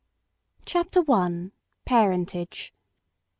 CHAPTER I. PARENTAGE.